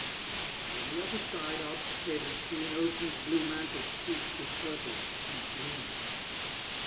And on the other side, outspread, is seen Ocean's blue mantle streak'd with purple, and green.